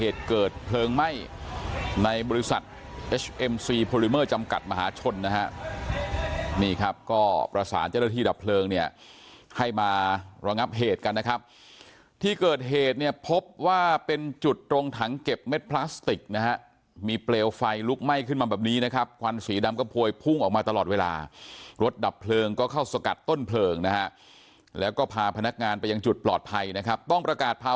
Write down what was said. ต่อประสานเจ้าหน้าที่ดับเพลิงเนี่ยให้มารองับเหตุกันนะครับที่เกิดเหตุเนี่ยพบว่าเป็นจุดตรงถังเก็บเม็ดพลาสติกนะฮะมีเปลวไฟลุกไหม้ขึ้นมาแบบนี้นะครับควันสีดำกระโพยพุ่งออกมาตลอดเวลารถดับเพลิงก็เข้าสกัดต้นเพลิงนะฮะแล้วก็พาพนักงานไปยังจุดปลอดภัยนะครับต้องประกาศภา